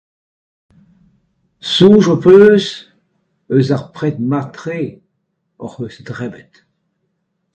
Soñj hoc'h eus eus ur pred mat-tre hoc'h eus debret ?